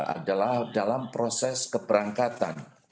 adalah dalam proses keberangkatan